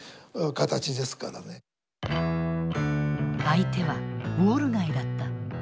相手はウォール街だった。